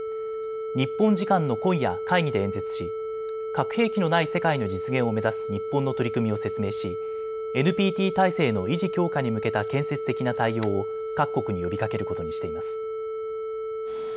日本時間の今夜、会議で演説し核兵器のない世界の実現を目指す日本の取り組みを説明しＮＰＴ体制の維持・強化に向けた建設的な対応を各国に呼びかけることにしています。